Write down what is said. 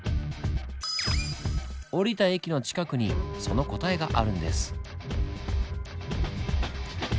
降りた駅の近くにその答えがあるんです。